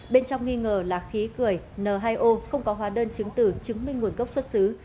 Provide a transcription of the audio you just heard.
bên trong nghi ngờ là khí cười n hai o không có hóa đơn chứng tử chứng minh nguồn gốc xuất xứ